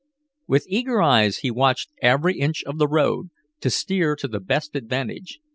With eager eyes he watched every inch of the road, to steer to the best advantage.